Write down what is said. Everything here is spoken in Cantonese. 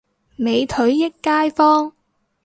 美腿益街坊